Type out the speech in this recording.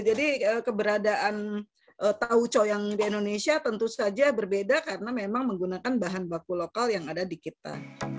jadi keberadaan taucho yang di indonesia tentu saja berbeda karena memang menggunakan bahan baku lokal yang ada di kita